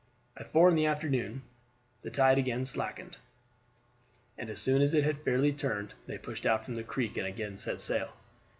At four in the afternoon tide again slackened, and as soon as it had fairly turned they pushed out from the creek and again set sail.